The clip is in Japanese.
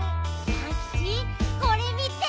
パンキチこれ見て！